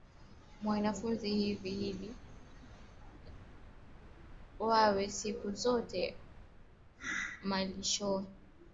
Wanafanya hivi ili wawe siku zote na malisho ya kijani kibichi